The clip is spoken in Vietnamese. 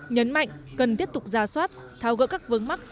nhấn mạnh cần tiếp tục ra soát tháo gỡ các vấn mắc